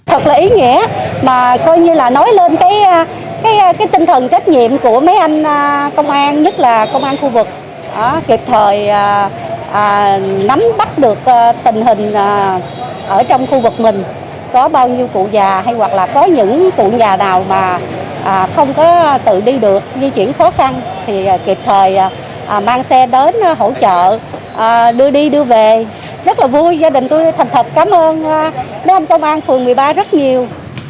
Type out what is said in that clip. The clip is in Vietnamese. rất là vui gia đình tôi thành thật cảm ơn đơn ông công an phường một mươi ba rất nhiều